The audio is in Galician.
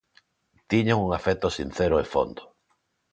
Tiñan un afecto sincero e fondo.